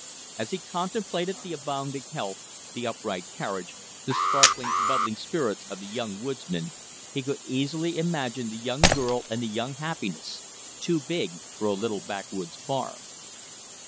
As he contemplated the abounding health, the upright carriage, the sparkling, bubbling spirits of the young woodsman, he could easily imagine the young girl and the young happiness, too big for a little backwoods farm.